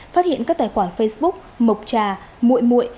phát hiện các tài khoản facebook mộc trà mội mội